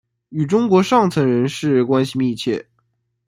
与中国上层人士关系密切。